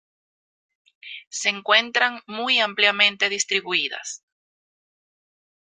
Se encuentran muy ampliamente distribuidas.